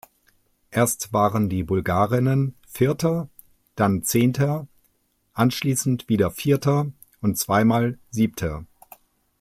Erst waren die Bulgarinnen Vierter, dann Zehnter, anschließend wieder Vierter und zweimal Siebter.